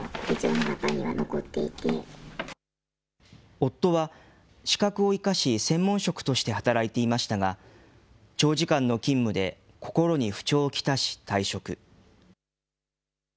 夫は資格を生かし、専門職として働いていましたが、長時間の勤務で心に不調を来し、退職。